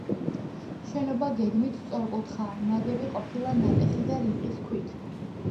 შენობა გეგმით სწორკუთხაა, ნაგები ყოფილა ნატეხი და რიყის ქვით.